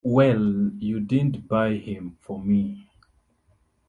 Well, you didn't buy him for me.